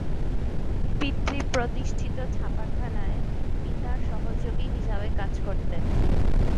পিতৃ-প্রতিষ্ঠিত ছাপাখানায় পিতার সহযোগী হিসাবে কাজ করতেন।